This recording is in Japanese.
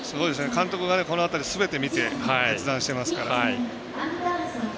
監督が、この辺りすべて見て決断してますから。